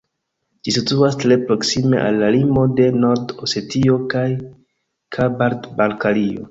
Ĝi situas tre proksime al la limo de Nord-Osetio kaj Kabard-Balkario.